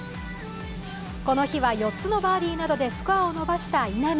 この日は４つのバーディーなどでスコアを伸ばした稲見。